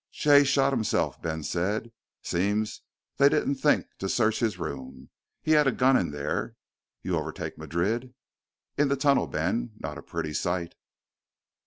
"Jay shot himself," Ben said. "Seems they didn't think to search his room. He had a gun in there. You overtake Madrid?" "In the tunnel, Ben. Not a pretty sight."